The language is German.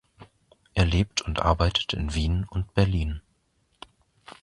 Er lebt und arbeitet in Wien und Berlin.